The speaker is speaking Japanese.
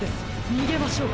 にげましょう！